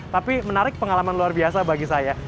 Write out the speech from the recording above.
tapi menarik pengalaman luar biasa bagi saya